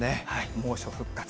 猛暑復活。